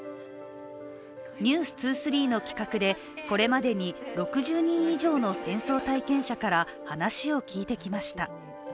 「ｎｅｗｓ２３」の企画でこれまでに６０人以上の戦争体験者から話を聞いてきました。